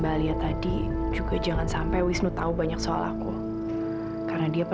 adik jadi wisnu adiknya mbak alia